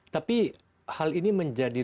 tapi hal ini menjadi